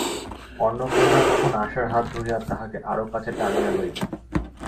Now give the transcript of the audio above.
অন্নপূর্ণা তখন আশার হাত ধরিয়া তাহাকে আরো কাছে টানিয়া লইবেন।